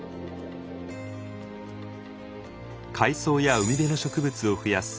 海藻や海辺の植物を増やす